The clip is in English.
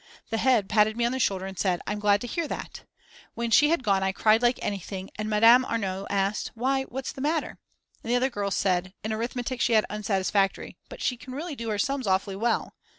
The head patted me on the shoulder and said: I'm glad to hear that. When she had gone I cried like anything and Madame Arnau asked: Why, what's the matter? and the other girls said: In arithmetic she had Unsatisfactory but she can really do her sums awfully well.